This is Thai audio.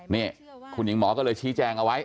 นี่คุณหญิงหมอก็เลยชี้แจงเอาไว้